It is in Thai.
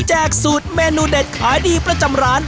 สูตรเมนูเด็ดขายดีประจำร้าน